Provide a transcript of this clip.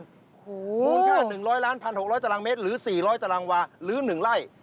มูลค่า๑๐๐ล้าน๑๖๐๐ตารางเมตรหรือ๔๐๐ตารางวาหรือ๑ไร่